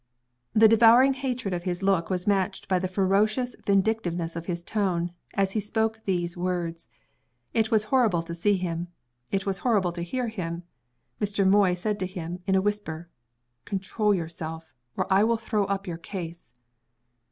The devouring hatred of his look was matched by the ferocious vindictiveness of his tone, as he spoke those words. It was horrible to see him; it was horrible to hear him. Mr. Moy said to him, in a whisper, "Control yourself, or I will throw up your case."